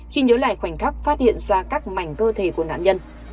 khi nhớ lại khoảnh khắc phát hiện ra các mảnh cơ thể của nạn nhân